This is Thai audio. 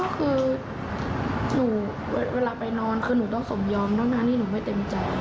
ก็คือนี่เวลาไปนอนก็หนูต้องสมยอมดังนั้นนี่หนูไม่เต็มใจ